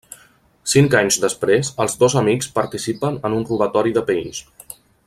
Cinc anys després, els dos amics participen en un robatori de pells.